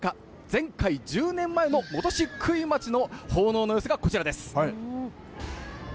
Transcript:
前回・１０年前の本石灰町の奉納の様子がこちらです。